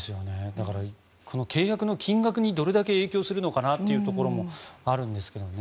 だから契約の金額にどれだけ影響するのかなというところもあるんですけどね。